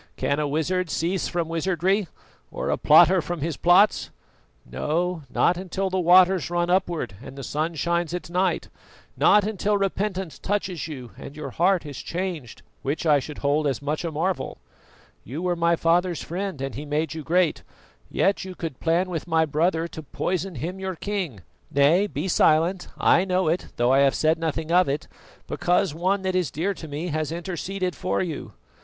"Can a wizard cease from wizardry, or a plotter from his plots? No, not until the waters run upward and the sun shines at night; not until repentance touches you and your heart is changed, which I should hold as much a marvel. You were my father's friend and he made you great; yet you could plan with my brother to poison him, your king. Nay, be silent; I know it, though I have said nothing of it because one that is dear to me has interceded for you.